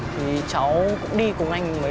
thế đây là cái gì